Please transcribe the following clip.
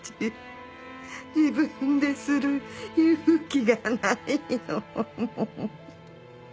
自分でする勇気がないの。